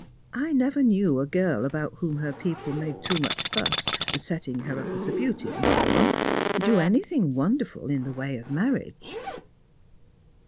•' I never knew a girl about whom her people made too much fuss, setting her up as a beauty, and so on, do anything wonderful in the way of marriage."